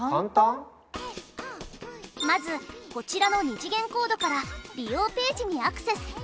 まずこちらの２次元コードから利用ページにアクセス。